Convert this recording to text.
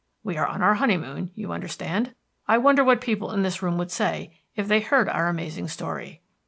We are on our honeymoon, you understand. I wonder what people in this room would say if they heard our amazing story."